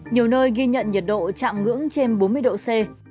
nhiều nơi ghi nhận nhiệt độ chạm ngưỡng trên bốn mươi độ c